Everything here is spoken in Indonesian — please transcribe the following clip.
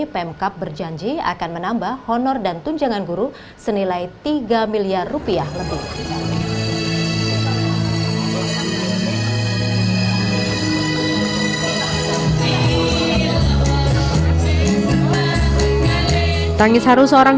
pemkap berjanji akan menambah honor dan tunjangan guru senilai tiga miliar rupiah lebih